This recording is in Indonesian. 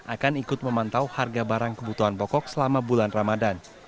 akan ikut memantau harga barang kebutuhan pokok selama bulan ramadan